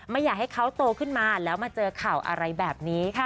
ไม่อยากให้เขาโตขึ้นมาแล้วมาเจอข่าวอะไรแบบนี้ค่ะ